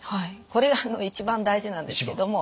これがあの一番大事なんですけども。